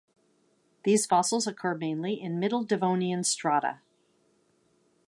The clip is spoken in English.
These fossils occur mainly in Middle Devonian strata.